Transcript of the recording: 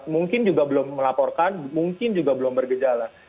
mungkin juga belum melaporkan mungkin juga belum bergejala